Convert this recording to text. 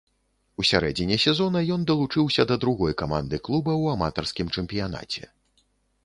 У сярэдзіне сезона ён далучыўся да другой каманды клуба ў аматарскім чэмпіянаце.